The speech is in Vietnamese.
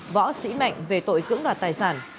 võ sĩ mạnh về tội cưỡng đoạt tài sản